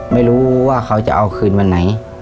ไม่รู้ว่าเขาจะเอาคืนวันไหน